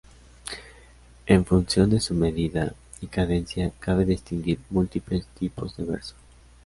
En función de su medida y cadencia cabe distinguir múltiples tipos de verso.